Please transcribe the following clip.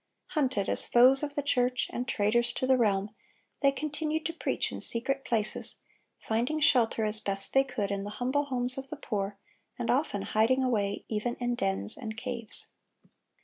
Hunted as foes of the church and traitors to the realm, they continued to preach in secret places, finding shelter as best they could in the humble homes of the poor, and often hiding away even in dens and caves.